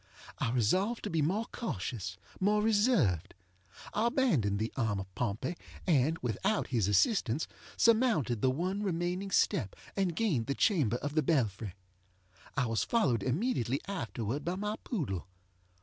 I resolved to be more cautious, more reserved. I abandoned the arm of Pompey, and, without his assistance, surmounted the one remaining step, and gained the chamber of the belfry. I was followed immediately afterward by my poodle.